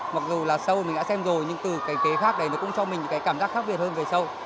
mặc dù là show mình đã xem rồi nhưng từ cái ghế khác đấy nó cũng cho mình một cái cảm giác khác biệt hơn về show